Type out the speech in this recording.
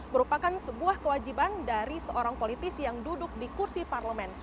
merupakan sebuah kewajiban dari seorang politis yang duduk di kursi parlemen